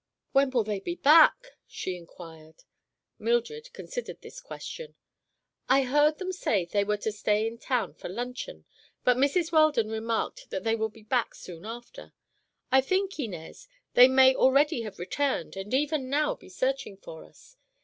"When will they be back?" Inez inquired. Mildred considered this question. "I heard them say they were to stay in town for luncheon, but Mrs. Weldon remarked that they would be back soon after. I think, Inez, they may already have returned and even now may be searching for us.